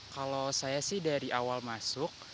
kalau saya sih dari awal masuk